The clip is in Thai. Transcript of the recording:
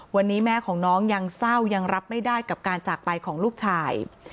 วันนี้แม่ของน้องยังเศร้ายังรับไม่ได้กับการจากไปของลูกชาย